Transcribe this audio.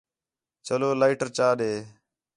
چلو لائیٹر چا ݙے